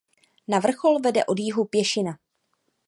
Na vrchol vede od jihu pěšina.